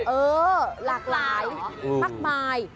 เออหลากหลายมากมาย